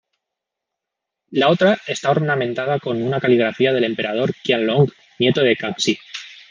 La otra está ornamentada con una caligrafía del emperador Qianlong, nieto de Kangxi.